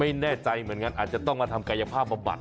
ไม่แน่ใจเหมือนกันอาจจะต้องมาทำกายภาพบำบัด